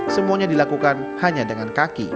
semuanya dilakukan hanya dengan kaki